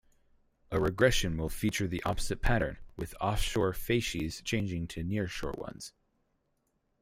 A regression will feature the opposite pattern, with offshore facies changing to nearshore ones.